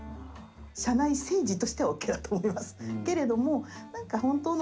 社内政治としてはＯＫだと思います。